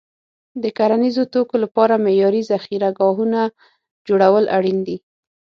د کرنیزو توکو لپاره معیاري ذخیره ګاهونه جوړول اړین دي.